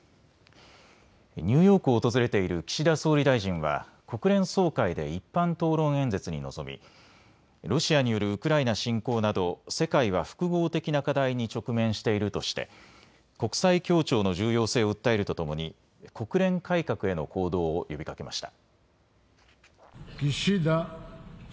ニューヨークを訪れている岸田総理大臣は国連総会で一般討論演説に臨みロシアによるウクライナ侵攻など世界は複合的な課題に直面しているとして国際協調の重要性を訴えるとともに国連改革への行動を呼びかけました。